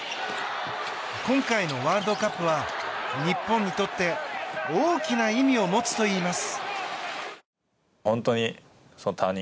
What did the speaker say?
今回のワールドカップは日本にとって大きな意味を持つといいます。